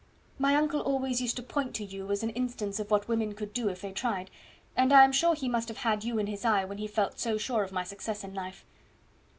"My uncle always used to point to you as an instance of what women could do if they tried, and I am sure he must have had you in his eye when he felt so sure of my success in life.